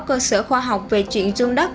cơ sở khoa học về chuyện dung đất